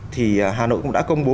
thì hà nội cũng đã công bố